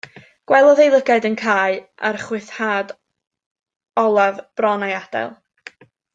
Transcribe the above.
Gwelodd ei lygaid yn cau a'r chwythad olaf bron a'i adael.